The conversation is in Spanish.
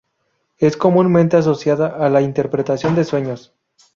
Es comúnmente asociada a la interpretación de sueños.